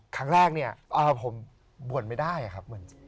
ครั้งแรกเนี่ยผมบ่นไม่ได้ครับ